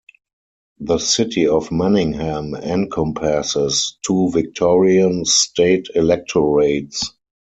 The City of Manningham encompasses two Victorian state electorates.